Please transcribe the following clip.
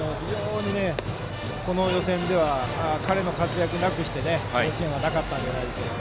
予選での彼の活躍なくして甲子園はなかったんじゃないでしょうか。